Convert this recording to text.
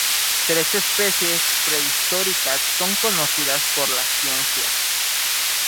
Tres especies prehistóricas son conocidas por la ciencia.